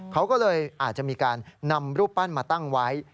เขาก็เลยอาจจะมีการนำรูปปั้นมาตั้งไว้